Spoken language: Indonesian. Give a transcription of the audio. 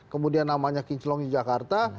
kemudian namanya kinclongi jakarta